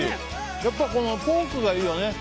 やっぱりポークがいいよね